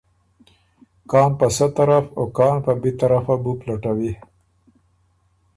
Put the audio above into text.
کان په سۀ طرف او کان په بی طرفه بُو پلټوی۔